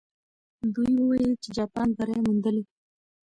دوی وویل چې جاپان بری موندلی.